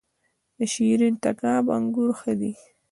د شیرین تګاب انګور ښه دي